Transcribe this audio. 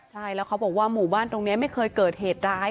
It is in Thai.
ใช่แล้วเขาบอกว่าหมู่บ้านตรงนี้ไม่เคยเกิดเหตุร้าย